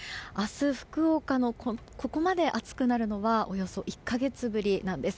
福岡県、ここまで暑くなるのはおよそ１か月ぶりなんです。